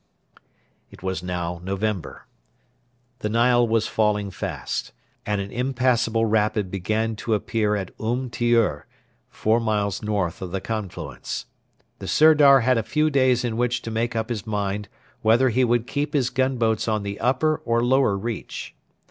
It was now November. The Nile was falling fast, and an impassable rapid began to appear at Um Tiur, four miles north of the confluence. The Sirdar had a few days in which to make up his mind whether he would keep his gunboats on the upper or lower reach.